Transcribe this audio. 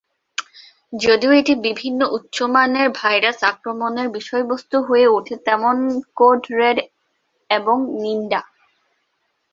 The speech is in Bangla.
যদিও এটি বিভিন্ন উচ্চ মানের ভাইরাস আক্রমণের বিষয়বস্তু হয়ে উঠে যেমন কোড রেড এবং নিমডা।